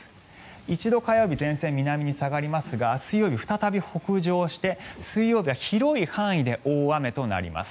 一度、火曜日前線は南に下がりますが水曜日、再び北上して水曜日は広い範囲で大雨となります。